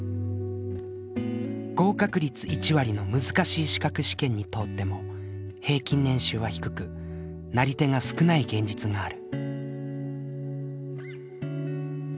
合格率１割の難しい資格試験に通っても平均年収は低くなり手が少ない現実がある。